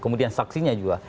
kemudian saksinya juga